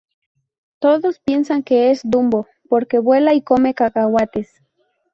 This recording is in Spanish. Todos piensan que es Dumbo porque vuela y come cacahuetes.